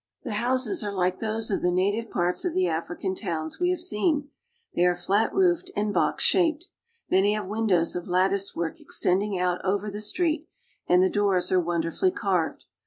The houses are like those of the native parts of the African towns we have seen. They are flat roofed and box shaped. Many have windows of latticework extending out over the street, and the doors are wonderfully carved.